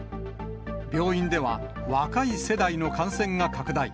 病院では、若い世代の感染が拡大。